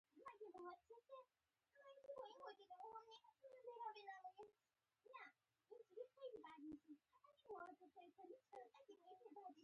د ډېوې ملګرې نايله به هر سهار ډېوې پسې راتله